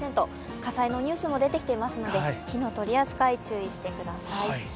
火災のニュースも出てきていますので火の取り扱い注意してください。